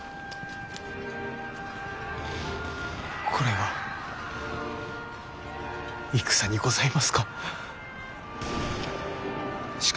これが戦にございますか？